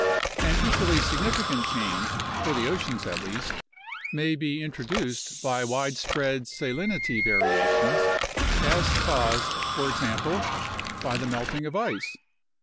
An equally significant change (for the oceans, at least) may be introduced by widespread salinity variations, as caused, for example, by the melting of ice.